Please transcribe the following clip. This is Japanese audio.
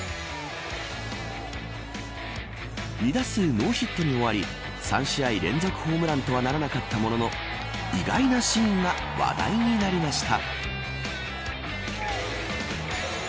２打数ノーヒットに終わり３試合連続ホームランとはならなかったものの意外なシーンが話題になりました。